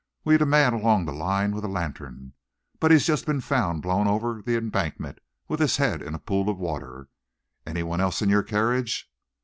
We'd a man along the line with a lantern, but he's just been found blown over the embankment, with his head in a pool of water. Any one else in your carriage?"